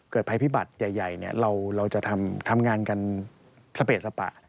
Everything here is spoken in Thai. เกิดภัยพิบัติใหญ่เราจะทำงานกันเมล็ดสเปปละ